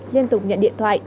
liên tục nhận điện thoại